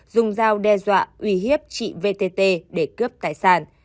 dùng dao đe dọa uy hiếp chị vtt để cướp tài sản